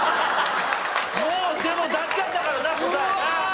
もうでも出しちゃったからな答えな。